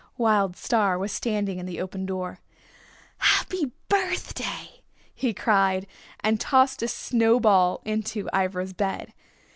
Wild Star was standing in the open door. "Happy birthday!" he cried and tossed a snow ball into Ivra's bed.